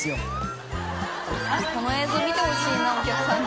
この映像見てほしいなお客さんに。